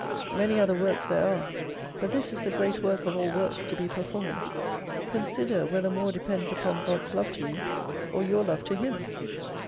Many other works there are, but this is the great work of all works to be performed. Consider whether more depends upon God's love to you, or your love to Him.